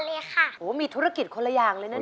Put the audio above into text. แล้วน้องใบบัวร้องได้หรือว่าร้องผิดครับ